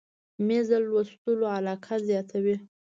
مېز د لوستلو علاقه زیاته وي.